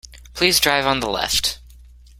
Please drive on the left.